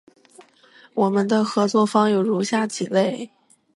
我们的合作方有如下几类：